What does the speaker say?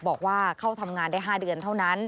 บอกว่าเข้าทำงานได้๕เดือนเท่านั้น